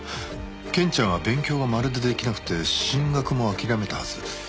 ケンちゃんは勉強がまるで出来なくて進学も諦めたはず。